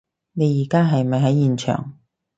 你而家係咪喺現場？